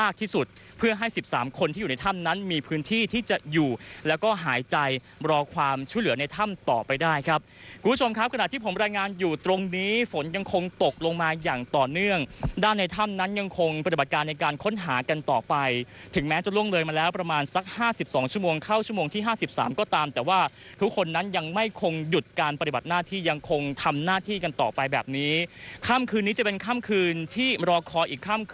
คุณผู้ชมครับขณะที่ผมรายงานอยู่ตรงนี้ฝนยังคงตกลงมาอย่างต่อเนื่องด้านในถ้ำนั้นยังคงปฏิบัติการในการค้นหากันต่อไปถึงแม้จะล่วงเลยมาแล้วประมาณสักห้าสิบสองชั่วโมงเข้าชั่วโมงที่ห้าสิบสามก็ตามแต่ว่าทุกคนนั้นยังไม่คงหยุดการปฏิบัติหน้าที่ยังคงทำหน้าที่กันต่อไปแบบนี้ค่ำคืนนี้จะเป็นค่ำคืนที่รอคอย